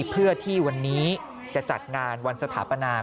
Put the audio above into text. เพื่อที่วันนี้จะจัดงานวันสถาปนา